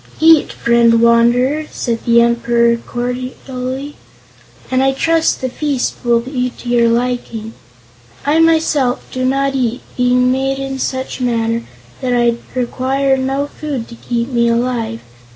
"Eat, friend Wanderer," said the Emperor cordially, "and I trust the feast will be to your liking. I, myself, do not eat, being made in such manner that I require no food to keep me alive.